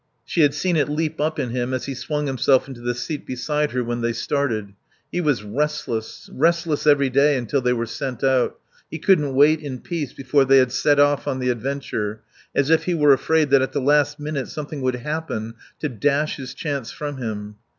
She had seen it leap up in him as he swung himself into the seat beside her when they started. He was restless, restless every day until they were sent out; he couldn't wait in peace before they had set off on the adventure, as if he were afraid that at the last minute something would happen to dash his chance from him.